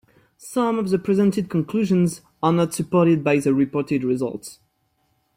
Some of the presented conclusions are not supported by the reported results.